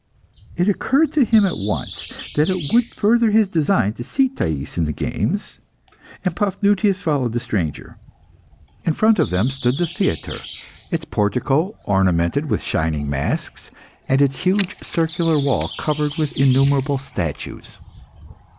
It occurred to him at once that it would further his design to see Thais in the games, and Paphnutius followed the stranger. In front of them stood the theatre, its portico ornamented with shining masks, and its huge circular wall covered with innumerable statues.